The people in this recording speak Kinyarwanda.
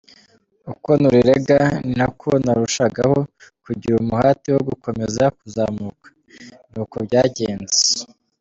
Uko nuriraga ni nako narushagaho kugira umuhate wo gukomeza kuzamuka, ni uko byagenze.